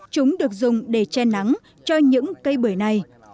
chúng được dùng để che nắng cho những cây bưởi này